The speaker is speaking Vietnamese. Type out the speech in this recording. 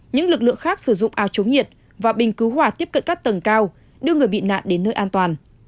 những lực lượng khác sử dụng ao chống nhiệt và bình cứu hỏa tiếp cận các tầng cao đưa người bị nạn đến nơi an toàn